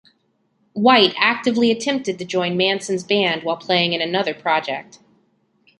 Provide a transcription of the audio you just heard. White actively attempted to join Manson's band while playing in another project.